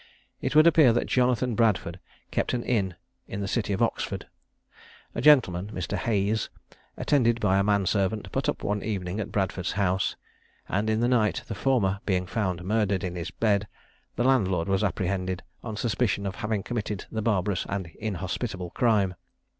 It would appear that Jonathan Bradford kept an inn in the city of Oxford. A gentleman, (Mr. Hayes), attended by a man servant, put up one evening at Bradford's house; and in the night, the former being found murdered in his bed, the landlord was apprehended on suspicion of having committed the barbarous and inhospitable crime.